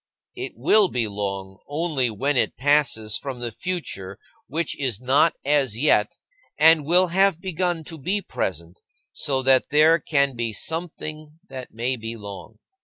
It will be long only when it passes from the future which is not as yet, and will have begun to be present, so that there can be something that may be long.